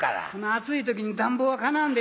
暑い時に暖房はかなわんで。